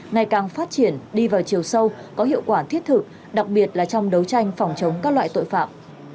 ngày càng phát triển đi vào chiều sâu có hiệu quả thiết thực đặc biệt là trong đấu tranh phòng chống các loại tội phạm